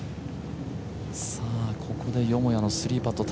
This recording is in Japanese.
ここでよもやの３パット。